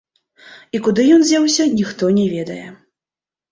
І куды ён дзеўся, ніхто не ведае.